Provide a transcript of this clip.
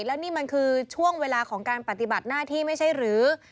แล้วนี่มันคือช่วงเวลาของการปฏิบัติหน้าที่ไม่ใช่หรือ